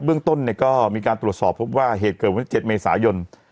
เบื้องต้นก็มีการตรวจสอบว่าเหตุเกิดส่วน๗เมษายน